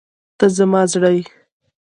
ته زما زړه یې.